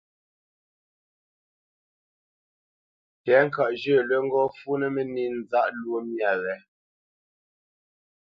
Tɛ̌ŋkaʼ zhyə̂ lə́ ŋgɔ́ fǔnə́ mə́nī nzáʼ lwó myâ wě,